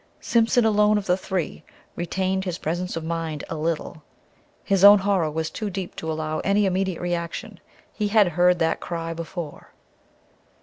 Simpson, alone of the three, retained his presence of mind a little. His own horror was too deep to allow of any immediate reaction. He had heard that cry before.